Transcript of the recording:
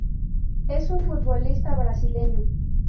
Es un futbolista brasileño.